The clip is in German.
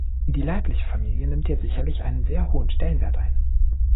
Die leibliche Familie nimmt hier sicherlich einen sehr hohen Stellenwert ein.